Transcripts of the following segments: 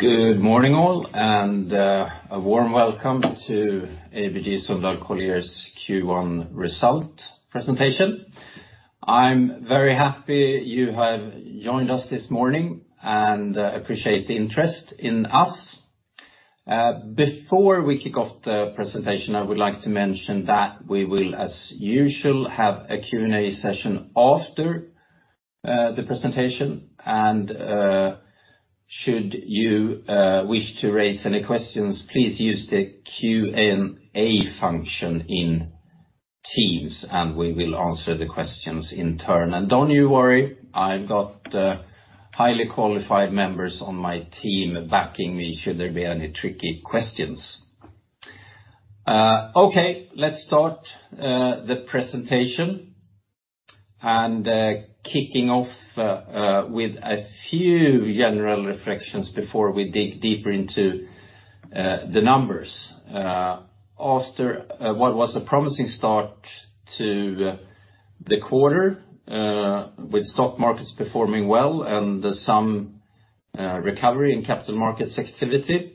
Good morning all, a warm welcome to ABG Sundal Collier's Q1 Result Presentation. I'm very happy you have joined us this morning, appreciate the interest in us. Before we kick off the presentation, I would like to mention that we will, as usual, have a Q&A session after the presentation. Should you wish to raise any questions, please use the Q&A function in Teams, and we will answer the questions in turn. Don't you worry, I've got highly qualified members on my team backing me should there be any tricky questions. Okay, let's start the presentation. Kicking off with a few general reflections before we dig deeper into the numbers. After what was a promising start to the quarter, with stock markets performing well and some recovery in capital markets activity,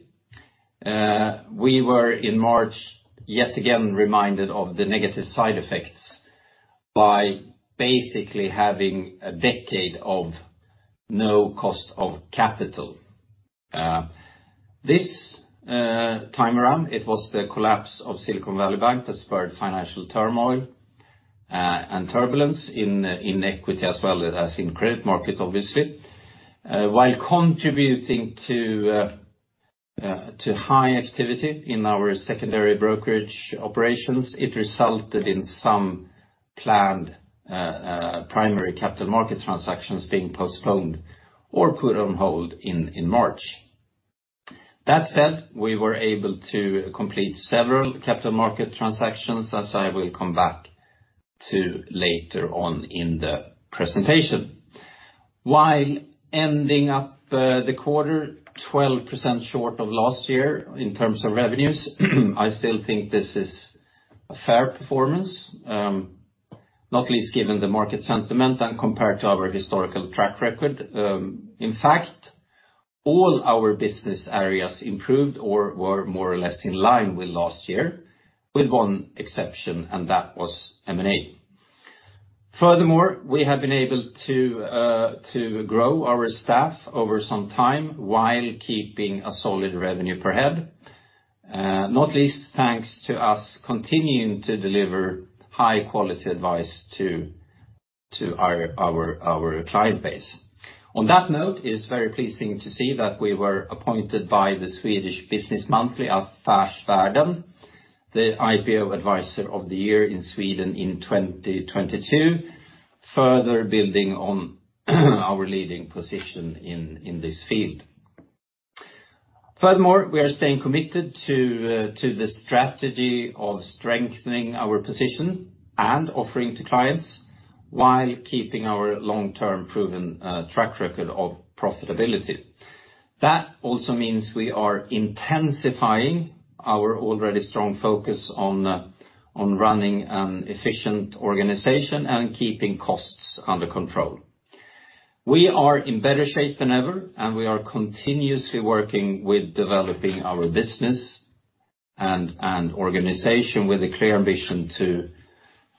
we were in March yet again reminded of the negative side effects by basically having a decade of no cost of capital. This time around, it was the collapse of Silicon Valley Bank that spurred financial turmoil, and turbulence in equity as well as in credit market obviously. While contributing to high activity in our secondary brokerage operations, it resulted in some planned primary capital market transactions being postponed or put on hold in March. That said, we were able to complete several capital market transactions as I will come back to later on in the presentation. While ending up, the quarter 12% short of last year in terms of revenues, I still think this is a fair performance, not least given the market sentiment and compared to our historical track record. In fact, all our business areas improved or were more or less in line with last year, with one exception, and that was M&A. Furthermore, we have been able to grow our staff over some time while keeping a solid revenue per head, not least thanks to us continuing to deliver high quality advice to our client base. On that note, it is very pleasing to see that we were appointed by the Swedish Business Monthly Affärsvärlden, the IPO Advisor of the Year in Sweden in 2022, further building on our leading position in this field. Furthermore, we are staying committed to the strategy of strengthening our position and offering to clients while keeping our long-term proven track record of profitability. That also means we are intensifying our already strong focus on running an efficient organization and keeping costs under control. We are in better shape than ever, and we are continuously working with developing our business and organization with a clear ambition to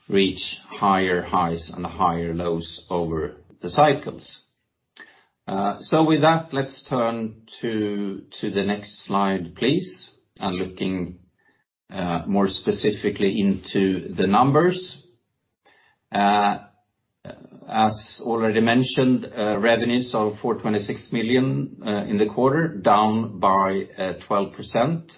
reach higher highs and higher lows over the cycles. With that, let's turn to the next slide, please. Looking more specifically into the numbers. As already mentioned, revenues of 426 million in the quarter, down by 12%,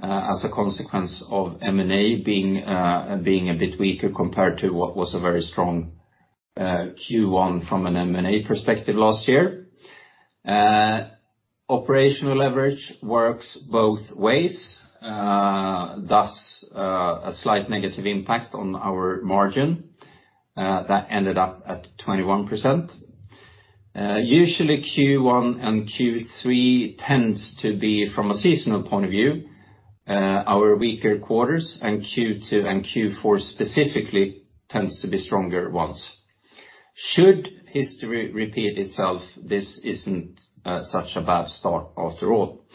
as a consequence of M&A being a bit weaker compared to what was a very strong Q1 from an M&A perspective last year. Operational leverage works both ways, thus, a slight negative impact on our margin, that ended up at 21%. Usually Q1 and Q3 tends to be from a seasonal point of view, our weaker quarters and Q2 and Q4 specifically tends to be stronger ones. Should history repeat itself, this isn't such a bad start after all.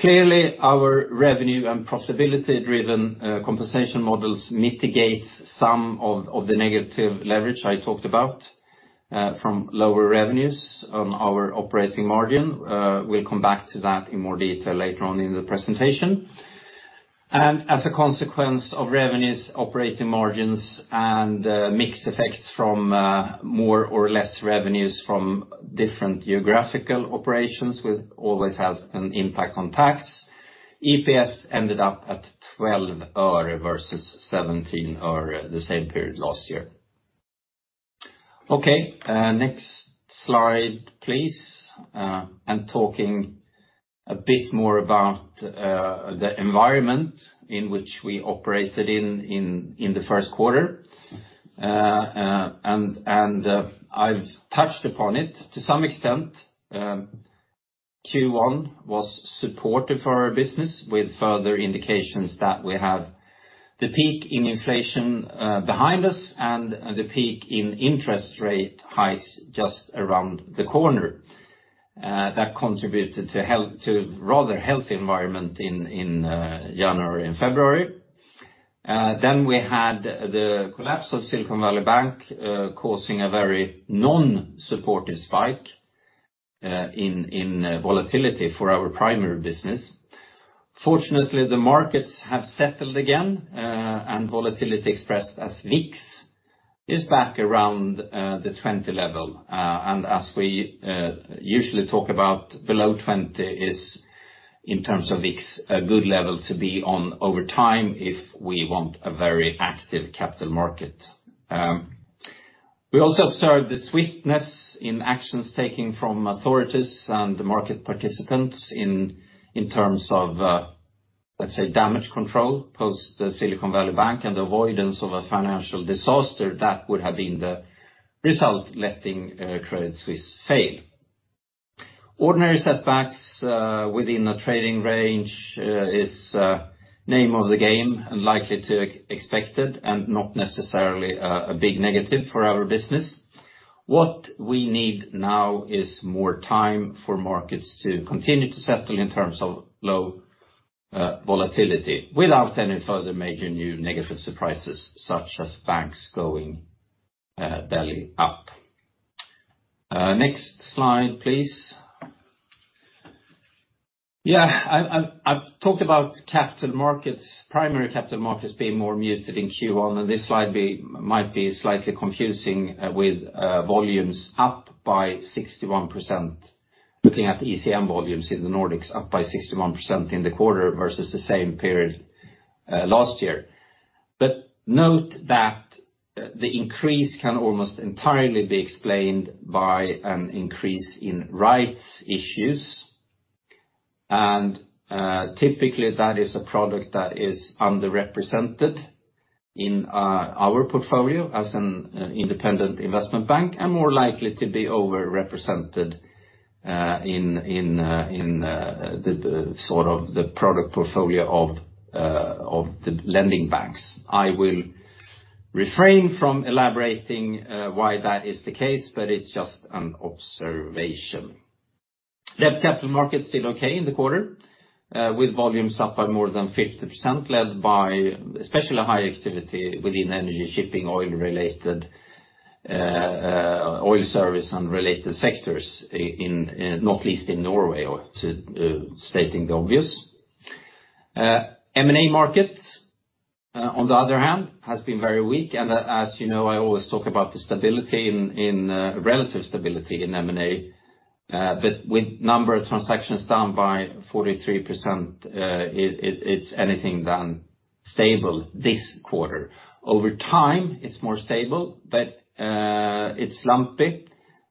Clearly, our revenue and profitability-driven compensation models mitigate some of the negative leverage I talked about, from lower revenues on our operating margin. We'll come back to that in more detail later on in the presentation. As a consequence of revenues, operating margins, and mixed effects from more or less revenues from different geographical operations always has an impact on tax. EPS ended up at NOK 0.12 versus NOK 0.17 the same period last year. Okay, next slide, please. Talking a bit more about the environment in which we operated in the first quarter. I've touched upon it to some extent. Q1 was supportive for our business with further indications that we have the peak in inflation behind us and the peak in interest rate heights just around the corner. That contributed to rather healthy environment in January and February. Then we had the collapse of Silicon Valley Bank, causing a very non-supportive spike in volatility for our primary business. Fortunately, the markets have settled again, and volatility expressed as VIX is back around the 20 level. As we usually talk about below 20 is in terms of VIX, a good level to be on over time if we want a very active capital market. We also observed the swiftness in actions taking from authorities and the market participants in terms of, let's say, damage control post the Silicon Valley Bank and avoidance of a financial disaster that would have been the result letting Credit Suisse fail. Ordinary setbacks within a trading range is name of the game and likely to expected and not necessarily a big negative for our business. What we need now is more time for markets to continue to settle in terms of low volatility without any further major new negative surprises, such as banks going belly up. Next slide, please. Yeah, I've talked about capital markets, primary capital markets being more muted in Q1. This slide might be slightly confusing, with volumes up by 61%, looking at the ECM volumes in the Nordics up by 61% in the quarter versus the same period last year. Note that the increase can almost entirely be explained by an increase in rights issues. Typically, that is a product that is underrepresented in our portfolio as an independent investment bank, and more likely to be overrepresented in the sort of the product portfolio of the lending banks. I will refrain from elaborating why that is the case. It's just an observation. The capital market did okay in the quarter, with volumes up by more than 50%, led by especially high activity within energy shipping oil-related, oil service and related sectors in not least in Norway or to stating the obvious. M&A markets, on the other hand, has been very weak. As you know, I always talk about the stability in relative stability in M&A. With number of transactions down by 43%, it's anything done stable this quarter. Over time, it's more stable, but it's lumpy,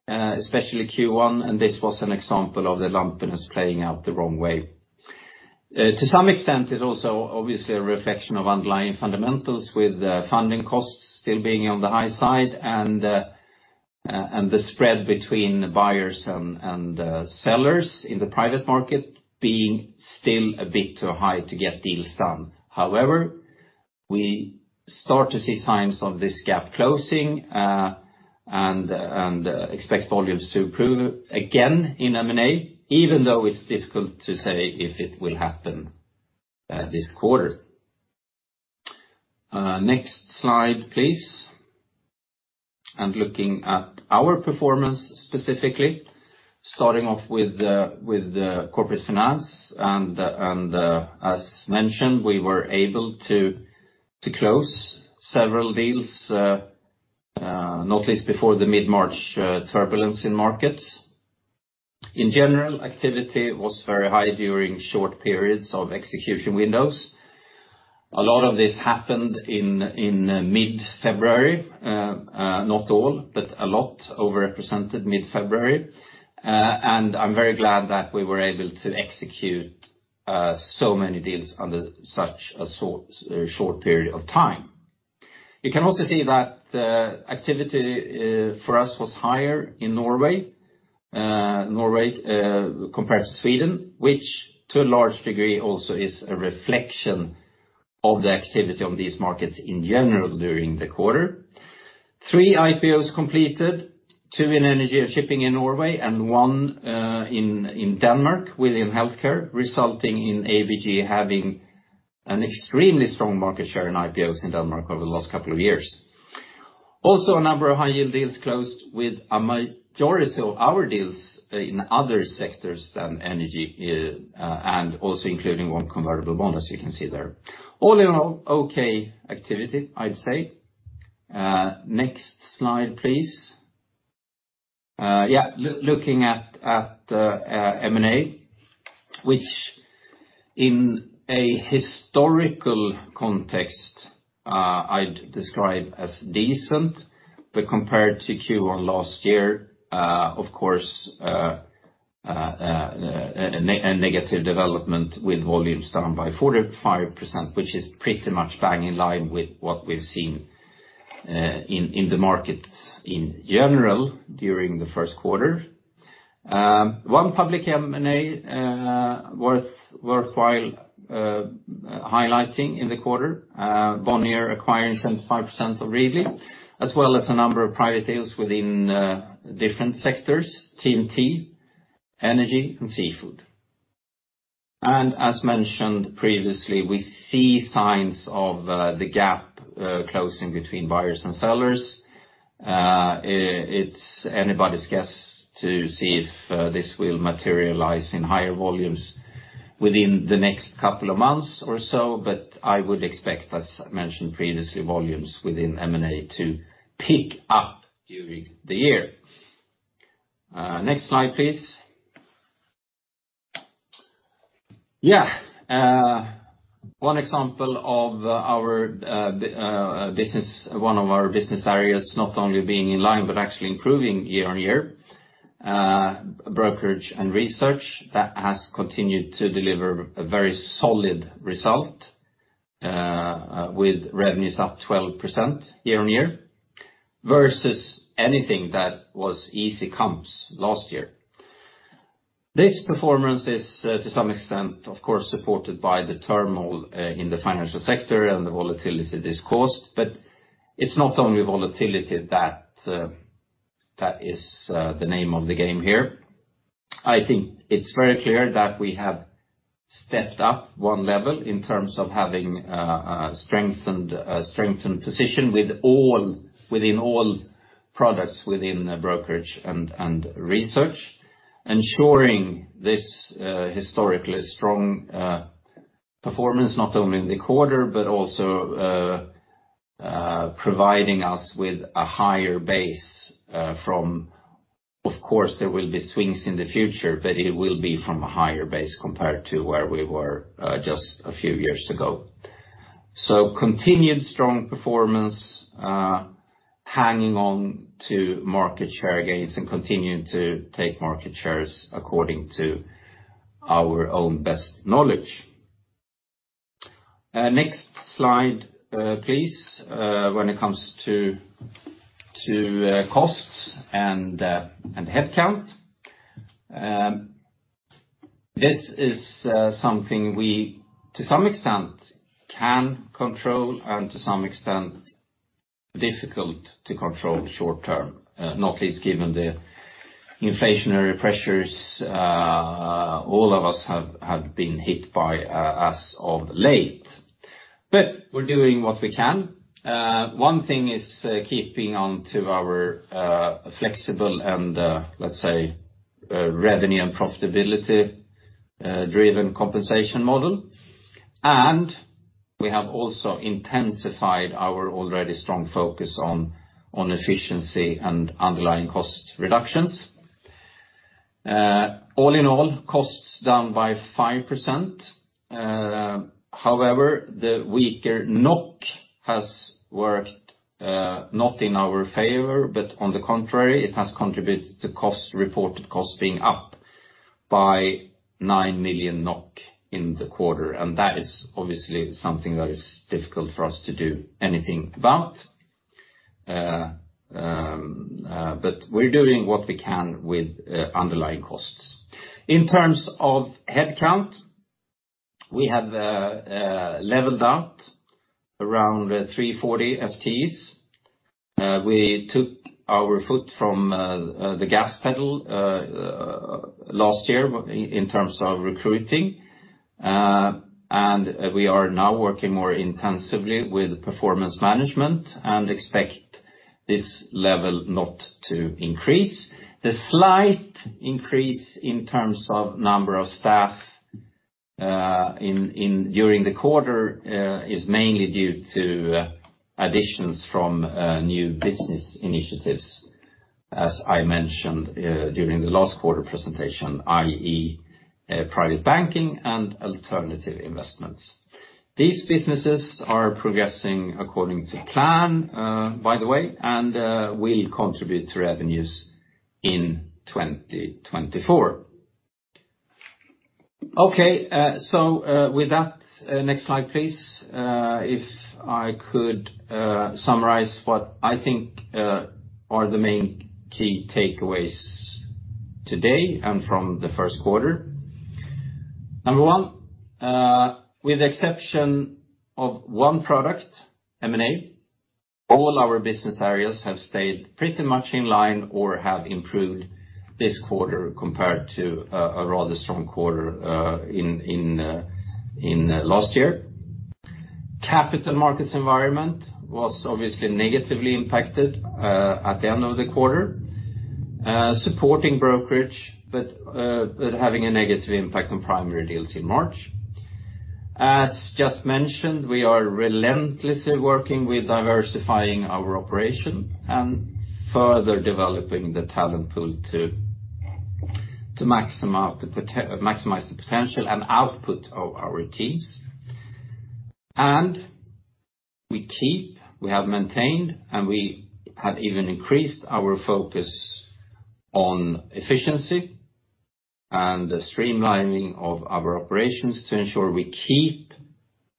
especially Q1, and this was an example of the lumpiness playing out the wrong way. To some extent, it's also obviously a reflection of underlying fundamentals with funding costs still being on the high side and the spread between buyers and sellers in the private market being still a bit too high to get deals done. However, we start to see signs of this gap closing and expect volumes to improve again in M&A, even though it's difficult to say if it will happen this quarter. Next slide, please. Looking at our performance specifically, starting off with the corporate finance, as mentioned, we were able to close several deals, not least before the mid-March turbulence in markets. In general, activity was very high during short periods of execution windows. A lot of this happened in mid-February, not all, but a lot overrepresented mid-February. I'm very glad that we were able to execute so many deals under such a short period of time. You can also see that activity for us was higher in Norway compared to Sweden, which to a large degree also is a reflection of the activity on these markets in general during the quarter. Three IPOs completed, two in energy and shipping in Norway, and one in Denmark within healthcare, resulting in ABG having an extremely strong market share in IPOs in Denmark over the last couple of years. A number of high-yield deals closed with a majority of our deals in other sectors than energy, and also including one convertible bond, as you can see there. All in all, okay activity, I'd say. Next slide, please. Yeah, looking at M&A, which in a historical context, I'd describe as decent. Compared to Q1 last year, of course, a negative development with volumes down by 45%, which is pretty much bang in line with what we've seen in the markets in general during the first quarter. One public M&A worthwhile highlighting in the quarter, Bonnier acquiring 75% of Readly, as well as a number of private deals within different sectors, TMT, energy, and seafood. As mentioned previously, we see signs of the gap closing between buyers and sellers. It's anybody's guess to see if this will materialize in higher volumes within the next couple of months or so. I would expect, as mentioned previously, volumes within M&A to pick up during the year. Next slide, please. Yeah. One example of our one of our business areas not only being in line, but actually improving year-on-year, brokerage and research that has continued to deliver a very solid result, with revenues up 12% year-on-year versus anything that was easy comps last year. This performance is, to some extent, of course, supported by the turmoil in the financial sector and the volatility this caused. It's not only volatility that that is the name of the game here. I think it's very clear that we have stepped up one level in terms of having a strengthened position within all products within brokerage and research. Ensuring this historically strong performance not only in the quarter but also providing us with a higher base. Of course, there will be swings in the future, but it will be from a higher base compared to where we were just a few years ago. Continued strong performance, hanging on to market share gains and continuing to take market shares according to our own best knowledge. Next slide, please. When it comes to costs and headcount, this is something we, to some extent, can control and to some extent difficult to control short-term, not least given the inflationary pressures all of us have been hit by as of late. We're doing what we can. One thing is keeping on to our flexible and, let's say, revenue and profitability driven compensation model. We have also intensified our already strong focus on efficiency and underlying cost reductions. All in all, costs down by 5%. However, the weaker NOK has worked not in our favor, but on the contrary, it has contributed to reported costs being up by 9 million NOK in the quarter. That is obviously something that is difficult for us to do anything about. We're doing what we can with underlying costs. In terms of headcount, we have leveled out around 340 FTEs. We took our foot from the gas pedal last year in terms of recruiting. We are now working more intensively with performance management and expect this level not to increase. The slight increase in terms of number of staff during the quarter is mainly due to additions from new business initiatives, as I mentioned during the last quarter presentation, i.e., private banking and alternative investments. These businesses are progressing according to plan, by the way, and will contribute to revenues in 2024. With that, next slide, please. If I could summarize what I think are the main key takeaways today and from the first quarter. Number one, with the exception of one product, M&A, all our business areas have stayed pretty much in line or have improved this quarter compared to a rather strong quarter last year. Capital markets environment was obviously negatively impacted at the end of the quarter. Supporting brokerage, but having a negative impact on primary deals in March. As just mentioned, we are relentlessly working with diversifying our operation and further developing the talent pool to maximize the potential and output of our teams. We have maintained, and we have even increased our focus on efficiency and the streamlining of our operations to ensure we keep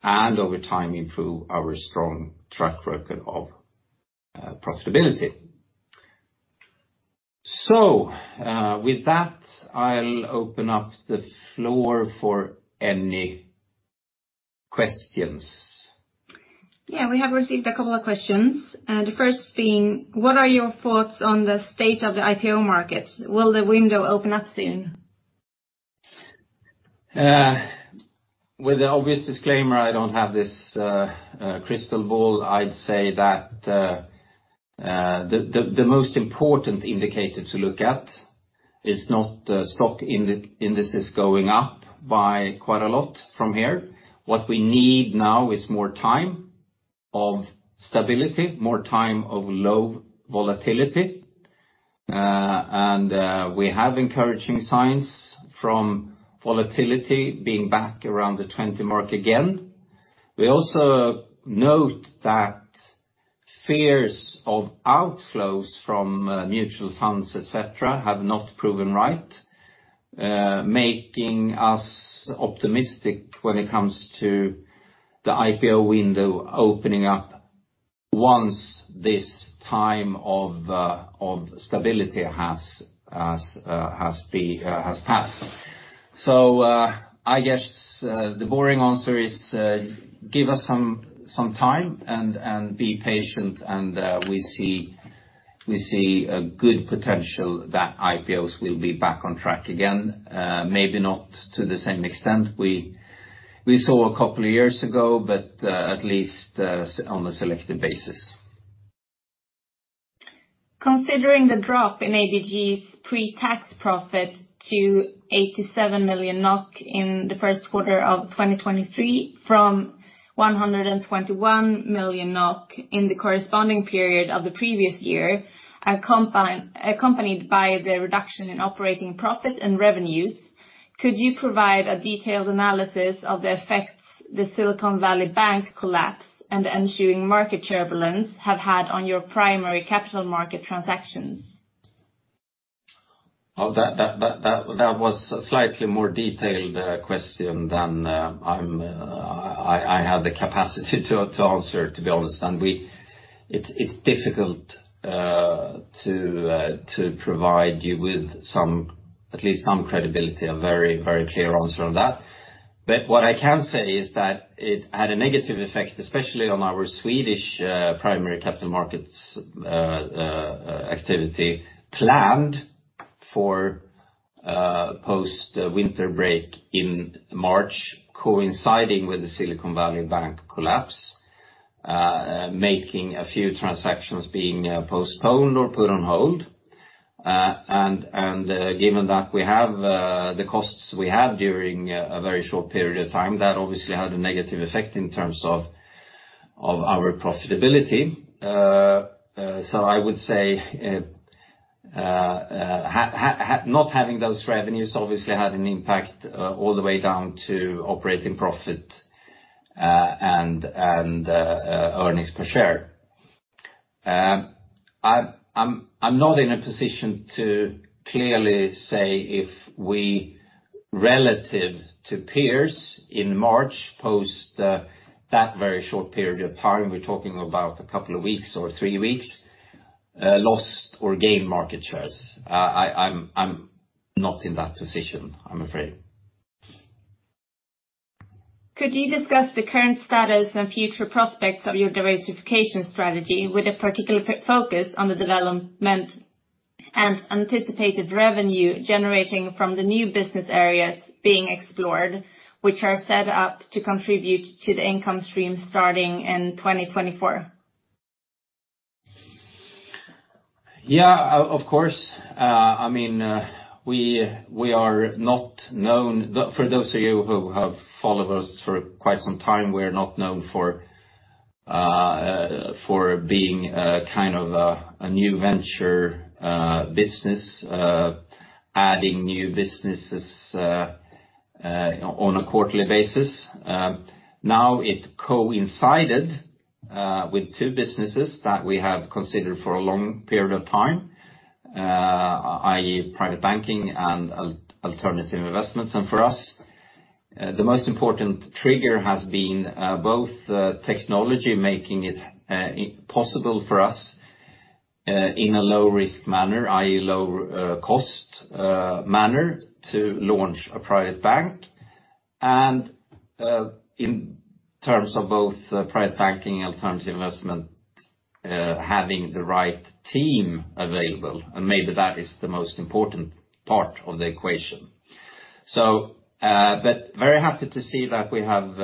and over time improve our strong track record of profitability. With that, I'll open up the floor for any questions. We have received a couple of questions. The first being, what are your thoughts on the state of the IPO market? Will the window open up soon? With the obvious disclaimer, I don't have this crystal ball. I'd say that the most important indicator to look at is not stock indices going up by quite a lot from here. What we need now is more time of stability, more time of low volatility. We have encouraging signs from volatility being back around the 20 mark again. We also note that fears of outflows from mutual funds, et cetera, have not proven right, making us optimistic when it comes to the IPO window opening up once this time of stability has passed. I guess, the boring answer is, give us some time and be patient and, we see a good potential that IPOs will be back on track again. Maybe not to the same extent we saw a couple of years ago, but, at least, on a selective basis. Considering the drop in ABG's pre-tax profit to 87 million NOK in the first quarter of 2023 from 121 million NOK in the corresponding period of the previous year, accompanied by the reduction in operating profit and revenues, could you provide a detailed analysis of the effects the Silicon Valley Bank collapse and the ensuing market turbulence have had on your primary capital market transactions? Oh, that was a slightly more detailed question than I have the capacity to answer, to be honest. It's difficult to provide you with some, at least some credibility, a very clear answer on that. What I can say is that it had a negative effect, especially on our Swedish primary capital markets activity planned for post-winter break in March, coinciding with the Silicon Valley Bank collapse, making a few transactions being postponed or put on hold. Given that we have the costs we had during a very short period of time, that obviously had a negative effect in terms of our profitability. I would say not having those revenues obviously had an impact all the way down to operating profit and earnings per share. I'm not in a position to clearly say if we, relative to peers in March, post that very short period of time, we're talking about a couple of weeks or three weeks, lost or gained market shares. I'm not in that position, I'm afraid. Could you discuss the current status and future prospects of your diversification strategy with a particular focus on the development and anticipated revenue generating from the new business areas being explored, which are set up to contribute to the income stream starting in 2024? Yeah, of course. I mean, we are not known. For those of you who have followed us for quite some time, we're not known for being a kind of a new venture business, adding new businesses on a quarterly basis. Now it coincided with two businesses that we have considered for a long period of time, i.e., private banking and alternative investments. For us, the most important trigger has been both technology making it possible for us in a low risk manner, i.e., low cost manner to launch a private bank. In terms of both private banking and alternative investment, having the right team available, and maybe that is the most important part of the equation. Very happy to see that we have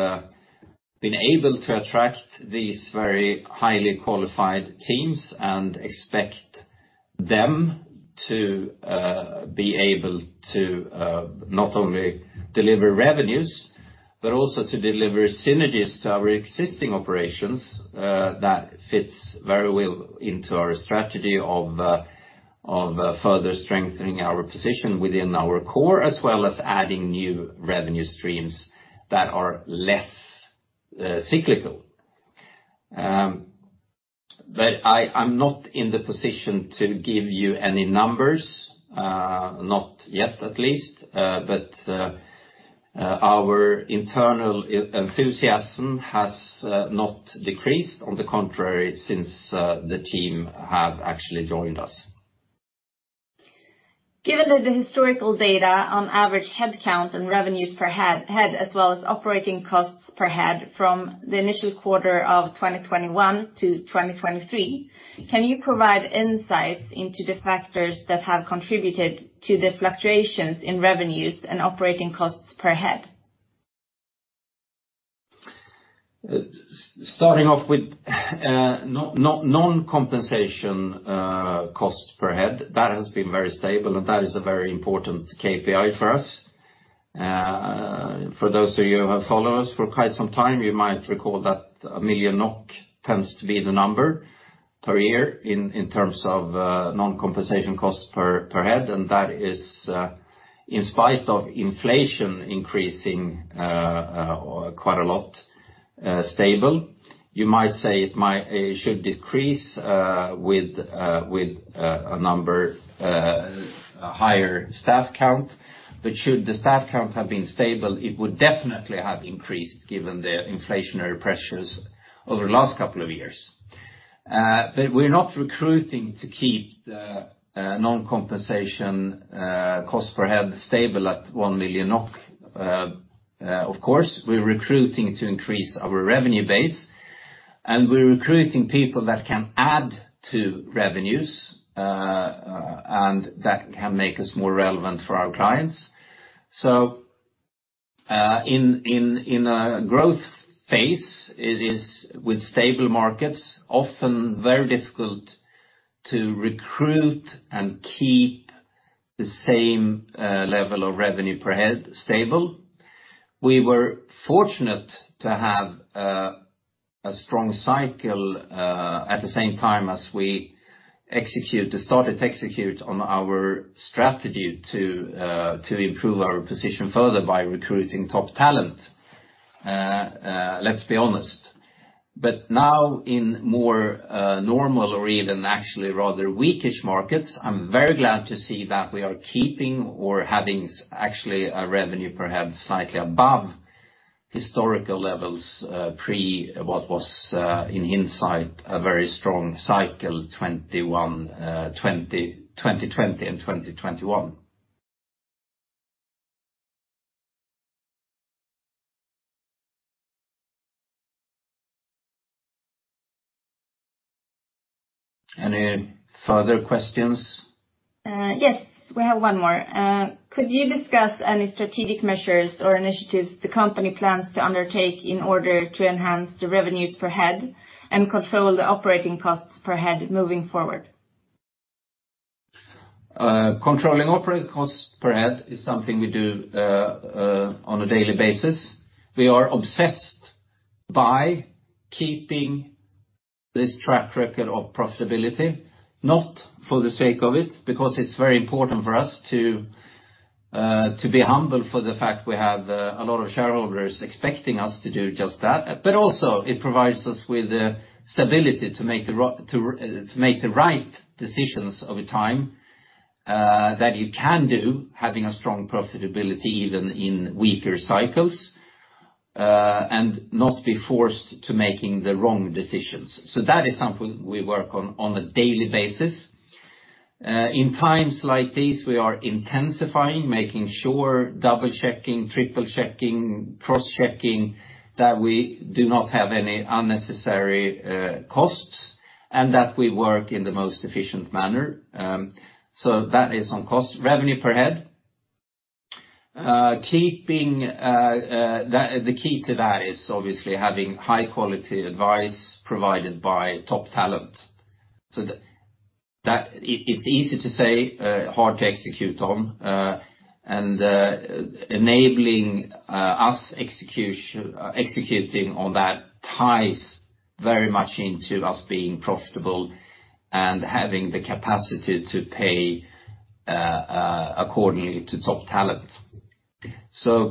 been able to attract these very highly qualified teams and expect them to be able to not only deliver revenues, but also to deliver synergies to our existing operations that fits very well into our strategy of further strengthening our position within our core, as well as adding new revenue streams that are less cyclical. I'm not in the position to give you any numbers, not yet at least. Our internal enthusiasm has not decreased, on the contrary, since the team have actually joined us. Given that the historical data on average headcount and revenues per head as well as operating costs per head from the initial quarter of 2021 to 2023, can you provide insights into the factors that have contributed to the fluctuations in revenues and operating costs per head? Starting off with non-compensation cost per head, that has been very stable, and that is a very important KPI for us. For those of you who have followed us for quite some time, you might recall that a million NOK tends to be the number per year in terms of non-compensation costs per head. That is, in spite of inflation increasing quite a lot, stable. You might say it should decrease with a number, a higher staff count. Should the staff count have been stable, it would definitely have increased given the inflationary pressures over the last couple of years. We're not recruiting to keep the non-compensation cost per head stable at 1 million NOK. Of course, we're recruiting to increase our revenue base, and we're recruiting people that can add to revenues and that can make us more relevant for our clients. In a growth phase, it is with stable markets, often very difficult to recruit and keep the same level of revenue per head stable. We were fortunate to have a strong cycle at the same time as we started to execute on our strategy to improve our position further by recruiting top talent, let's be honest. Now in more normal or even actually rather weakish markets, I'm very glad to see that we are keeping or having actually a revenue perhaps slightly above historical levels, pre what was in insight a very strong cycle 2021, 2020 and 2021. Any further questions? Yes, we have one more. Could you discuss any strategic measures or initiatives the company plans to undertake in order to enhance the revenues per head and control the operating costs per head moving forward? Controlling operating costs per head is something we do on a daily basis. We are obsessed by keeping this track record of profitability, not for the sake of it, because it's very important for us to be humble for the fact we have a lot of shareholders expecting us to do just that. Also it provides us with the stability to make the right decisions over time, that you can do having a strong profitability even in weaker cycles, and not be forced to making the wrong decisions. That is something we work on on a daily basis. In times like this, we are intensifying, making sure, double-checking, triple-checking, cross-checking that we do not have any unnecessary costs and that we work in the most efficient manner. That is on cost. Revenue per head. Keeping the key to that is obviously having high quality advice provided by top talent. It's easy to say, hard to execute on. Enabling executing on that ties very much into us being profitable and having the capacity to pay accordingly to top talent.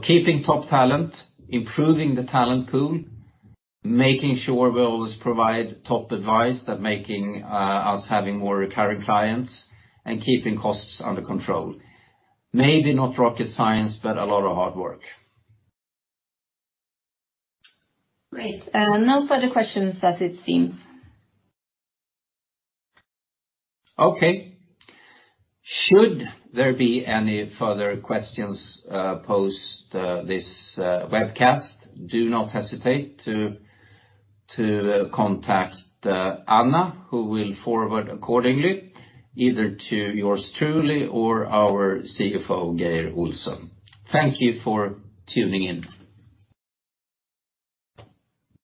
Keeping top talent, improving the talent pool, making sure we always provide top advice that making us having more recurring clients and keeping costs under control. Maybe not rocket science, but a lot of hard work. Great. No further questions as it seems. Okay. Should there be any further questions, post this webcast, do not hesitate to contact Anna, who will forward accordingly either to yours truly or our CFO, Geir Olsen. Thank you for tuning in.